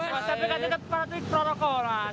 mas tapi kan tetap para tipe rokok mas